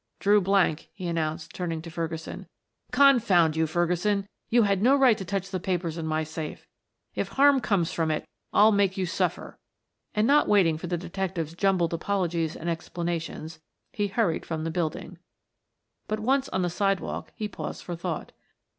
"Drew blank," he announced, turning to Ferguson. "Confound you, Ferguson; you had no right to touch the papers in my safe. If harm comes from it, I'll make you suffer," and not waiting for the detective's jumbled apologies and explanations, he hurried from the building. But once on the sidewalk he paused for thought.